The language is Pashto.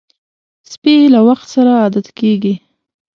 سپي له وخت سره عادت کېږي.